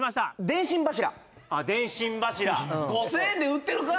電信柱５０００円で売ってるか！